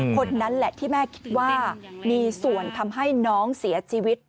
คนนั้นแหละที่แม่คิดว่ามีส่วนทำให้น้องเสียชีวิต